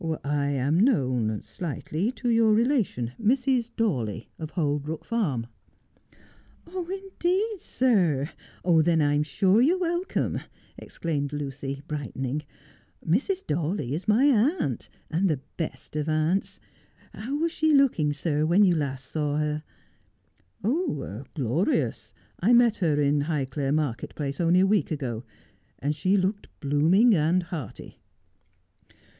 'I am known — slightly — to your relation, Mrs. Dawley, of Holbrook Farm.' ' Indeed, sir. Then I'm sure you're welcome,' exclaimed Lucy, brightening. ' Mrs. Dawley is my aunt, and the best of aunts. How was she looking, sir, when you last saw her 1 '' Glorious. I met her in Highclere market place only a week ago, and she looked blooming and hearty.'